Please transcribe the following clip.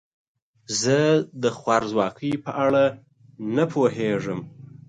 زه د خوارځواکۍ په اړه نه پوهیږم.